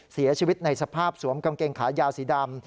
เสียชีวิตในสภาพสวมกางเกงขายาวสีดำ